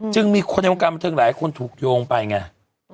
จึงมีคนในวงการบันเทิงหลายคนถูกโยงไปไง